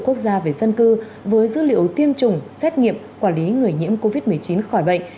quốc gia về dân cư với dữ liệu tiêm chủng xét nghiệm quản lý người nhiễm covid một mươi chín khỏi bệnh